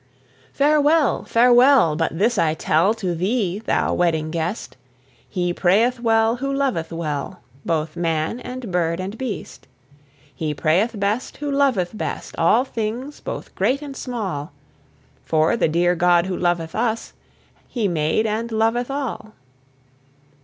Farewell, farewell! but this I tell To thee, thou Wedding Guest! He prayeth well who loveth well Both man and bird and beast. He prayeth best who loveth best All things, both great and small: For the dear God who loveth us, He made and loveth all.